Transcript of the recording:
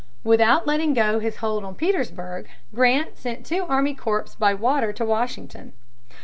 Without letting go his hold on Petersburg, Grant sent two army corps by water to Washington.